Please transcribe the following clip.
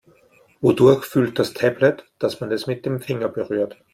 Wodurch fühlt das Tablet, dass man es mit dem Finger berührt?